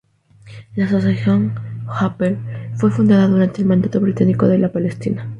La asociación Hapoel fue fundada durante el Mandato británico de Palestina.